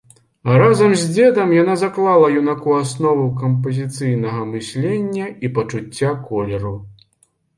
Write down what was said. Разам з дзедам яна заклала юнаку аснову кампазіцыйнага мыслення і пачуцця колеру.